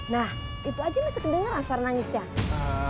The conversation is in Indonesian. nah itu aja yang mesti kedengeran suara nangisnya